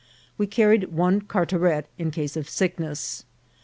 We carried one cartaret, in case of sickness.